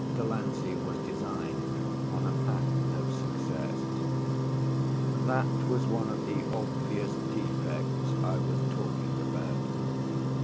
Delancey was designed on a pattern of success. That was one of the obvious defects I was talking about.